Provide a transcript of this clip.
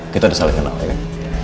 kita ada saling kenal ya kan